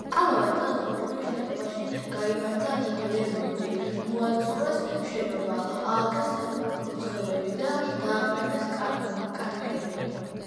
ამავე წელს ორივე შენობაში გაიმართა რემონტი, მოაწყვეს შენობა, ააგეს საკურთხეველი და დააყენეს კანკელი.